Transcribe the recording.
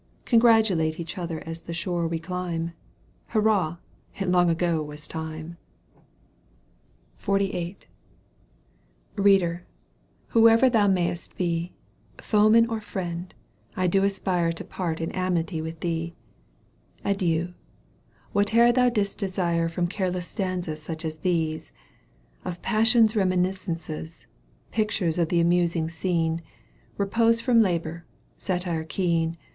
Congratulate Each other as the shore we climb ! Hurrah ! it long ago was time ! Digitized by VjOOQ 1С 252 EUGENE ONIEGUINE. canto vin. XLVIIL. Beader, whoever thou mayst be, Foeman or friend, I do aspire To part in amity with thee 1 Adieu ! whatever thou didst desire From careless stanzas such as these, Of passion reminiscences. Pictures of the amusing scene, Eepose firom labour, satire keen.